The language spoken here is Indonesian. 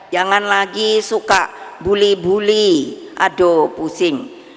jangan lagi suka buli buli aduh pusing